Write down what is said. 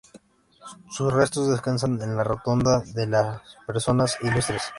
Sus restos descansan en la Rotonda de las Personas Ilustres.